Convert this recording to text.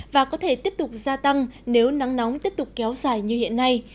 và có thể tiếp tục gia tăng nếu nắng nóng tiếp tục kéo dài như hiện nay